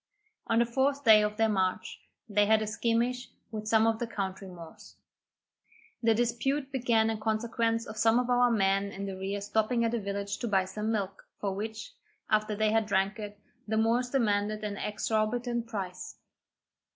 On the fourth day of their march, they had a skirmish with some of the country Moors. The dispute began in consequence of some of our men in the rear stopping at a village to buy some milk, for which, after they had drank it, the Moors demanded an exorbitant price.